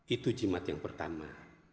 itu jimat yang pertama